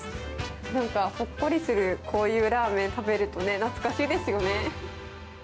なんかほっこりする、こういうラーメン食べるとね、懐かしいですよね。